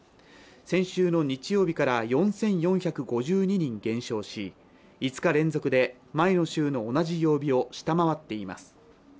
先週の日曜日から４４５２人減少し、５日連続で前の週の同じ曜日を下回っています。